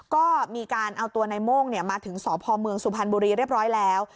ก็มีการเอาตัวในโม่งมาถึงสพเมืองสุพรรณบุรีเรียบร้อยแล้ว